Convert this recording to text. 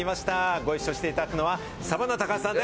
ご一緒していただくのはサバンナ・高橋さ